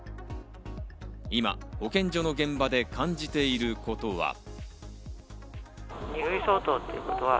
今、保健所の現場で感じていることは。